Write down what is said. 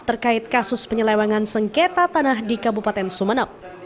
terkait kasus penyelewangan sengketa tanah di kabupaten sumeneb